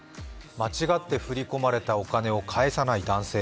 間違って振り込まれたお金を返さない男性。